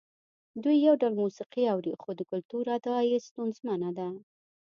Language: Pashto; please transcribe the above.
دوی یو ډول موسیقي اوري خو د کلتور ادعا یې ستونزمنه ده.